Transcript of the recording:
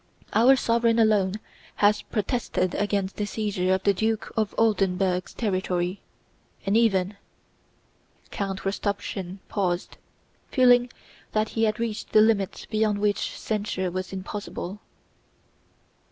Our sovereign alone has protested against the seizure of the Duke of Oldenburg's territory, and even..." Count Rostopchín paused, feeling that he had reached the limit beyond which censure was impossible.